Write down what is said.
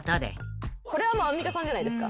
これはアンミカさんじゃないですか？